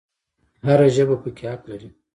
هر ژبه پکې حق لري